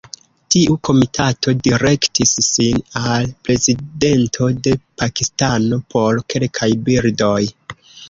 Tiu komitato direktis sin al Prezidento de Pakistano por kelkaj birdoj.